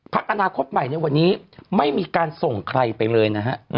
อนาคตใหม่ในวันนี้ไม่มีการส่งใครไปเลยนะฮะ